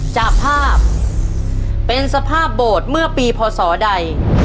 จากภาพเป็นสภาพโบสถ์เมื่อปีพศใด